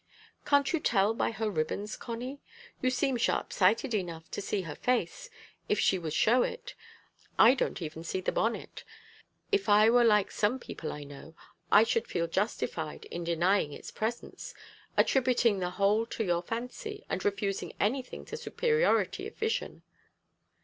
"Can't you tell by her ribbons, Connie? You seem sharp sighted enough to see her face if she would show it. I don't even see the bonnet. If I were like some people I know, I should feel justified in denying its presence, attributing the whole to your fancy, and refusing anything to superiority of vision."